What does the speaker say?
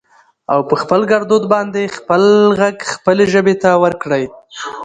او په خپل ګردود باندې خپل غږ خپلې ژبې ته ورکړٸ